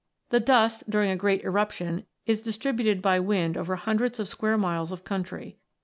The dust, during a great eruption, is distributed by wind over hundreds of square miles of countiy.